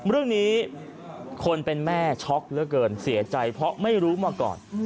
เรื่องนี้คนเป็นแม่ช็อกเหลือเกินเสียใจเพราะไม่รู้มาก่อน